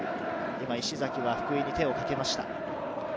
石崎は福井に手をかけました。